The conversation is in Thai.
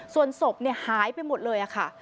ส่วนศพหายไปหมดเลยค่ะ